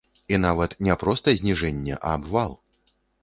І нават не проста зніжэнне, а абвал!